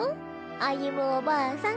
歩夢おばあさん。